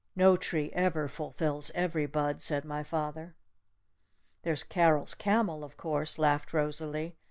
"No tree ever fulfills every bud," said my father. "There's Carol's camel, of course," laughed Rosalee.